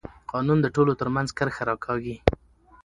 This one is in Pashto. قانون د ټولو ترمنځ کرښه راکاږي